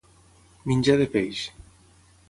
Menjar de peix.